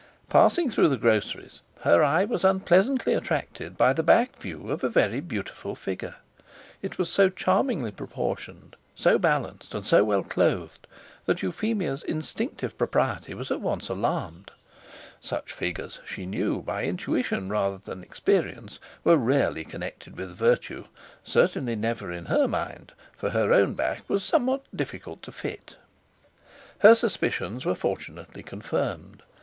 Passing through the Groceries her eye was unpleasantly attracted by the back view of a very beautiful figure. It was so charmingly proportioned, so balanced, and so well clothed, that Euphemia's instinctive propriety was at once alarmed; such figures, she knew, by intuition rather than experience, were rarely connected with virtue—certainly never in her mind, for her own back was somewhat difficult to fit. Her suspicions were fortunately confirmed.